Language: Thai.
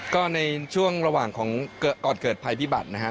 ก็ในช่วงระหว่างของก่อนเกิดภัยพิบัตินะฮะ